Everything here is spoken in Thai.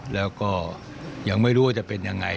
แล้วก็ยังไม่รู้ว่าจะเป็นยังไง